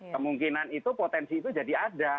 kemungkinan itu potensi itu jadi ada